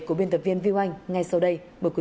của biên tập viên viu anh ngay sau đây